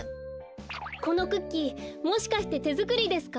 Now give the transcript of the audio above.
このクッキーもしかしててづくりですか？